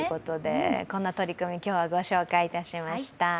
こんな取り組み、今日はご紹介しました。